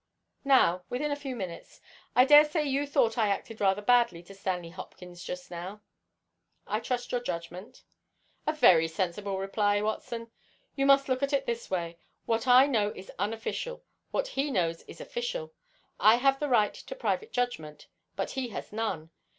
"Now—within a few minutes. I dare say you thought I acted rather badly to Stanley Hopkins just now?" "I trust your judgment." "A very sensible reply, Watson. You must look at it this way: what I know is unofficial; what he knows is official. I have the right to private judgment, but he has none.